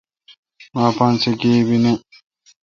مہ اپاسہ گیب ای نہ۔